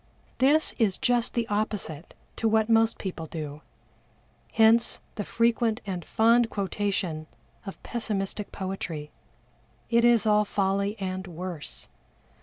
This is just the opposite to what most people do, hence the frequent and fond quotation of pessimistic poetry. It is all folly, and worse.